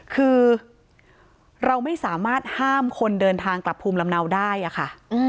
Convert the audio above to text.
คือเราไม่สามารถห้ามคนเดินทางกลับภูมิลำเนาได้อะค่ะ